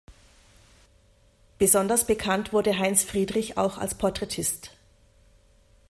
Besonders bekannt wurde Heinz Friedrich auch als Porträtist.